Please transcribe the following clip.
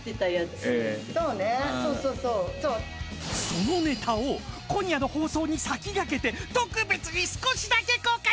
［そのネタを今夜の放送に先駆けて特別に少しだけ公開］